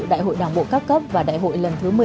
đại hội đảng bộ các cấp và đại hội lần thứ một mươi